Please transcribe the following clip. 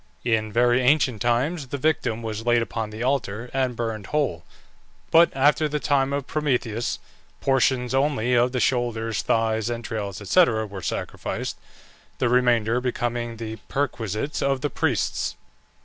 In very ancient times, the victim was laid upon the altar and burned whole; but after the time of Prometheus portions only of the shoulders, thighs, entrails, &c., were sacrificed, the remainder becoming the perquisites of the priests.